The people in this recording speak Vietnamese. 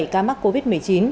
bảy ca mắc covid một mươi chín